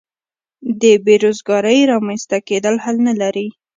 د بې روزګارۍ رامینځته کېدل حل نه لري.